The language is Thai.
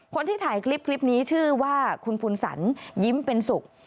คนที่ถ่ายคลิปนี้ชื่อว่าคุณภูนสันยิ้มเป็นสุข